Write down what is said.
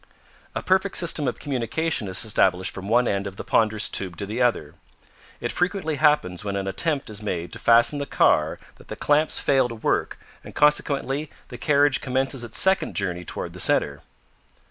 A perfect system of communication is established from one end of the ponderous tube to the other. It frequently happens when an attempt is made to fasten the car that the clamps fail to work and consequently the carriage commences its second journey toward the center.